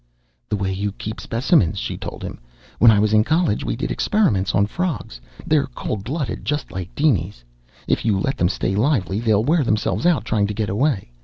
"The way you keep specimens," she told him. "When I was in college we did experiments on frogs. They're cold blooded just like dinies. If you let them stay lively, they'll wear themselves out trying to get away.